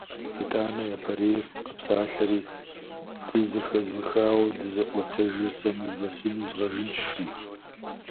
Итӏанэ япэрейр къэпсалъэри: - Дызэхэзыхауэ дызыӏуэтэжыр сэ мывэ сыну згъэжынщ!- жи.